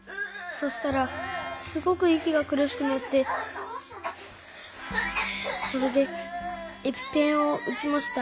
そしたらすごくいきがくるしくなってそれでエピペンをうちました。